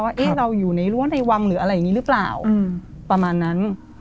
ว่าเราอยู่ในรั้วในวังหรืออะไรอย่างนี้หรือเปล่าประมาณนั้น